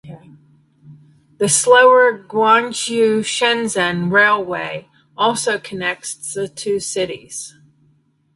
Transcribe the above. The slower Guangzhou–Shenzhen railway also connects the two cities.